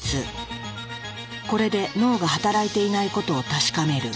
これで脳が働いていないことを確かめる。